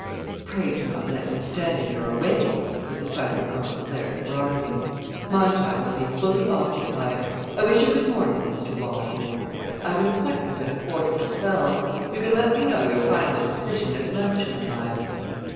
"Pray do not let me stand in your way," Mrs. Bundercombe declared, rising. "My time will be fully occupied. I wish you good morning, Mr. Walmsley. I have an appointment at a quarter to twelve. You can let me know your final decision at luncheon time."